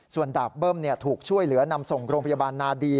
ส่วนดาบเบิ้มถูกช่วยเหลือนำส่งโรงพยาบาลนาดี